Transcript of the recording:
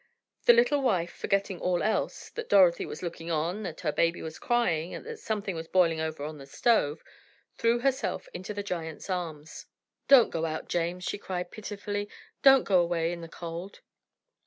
The little wife, forgetting all else—that Dorothy was looking on, that her baby was crying, and that something was boiling over on the stove—threw herself into the giant's arms. "Don't go out, James!" she cried, pitifully, "don't go away in the cold.